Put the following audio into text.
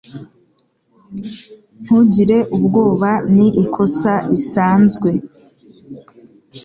Ntugire ubwoba. Ni ikosa risanzwe.